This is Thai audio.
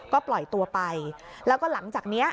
ก็ปล่อยตัวไปแล้วก็หลังจากเนี้ย